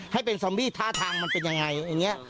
ให้เป็นซอมบี้ท่าทางมันเป็นยังไงอย่างนี้